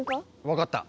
分かった。